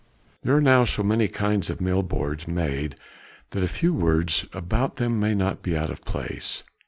There are now so many kinds of mill boards made that a few words about them may not be out of place.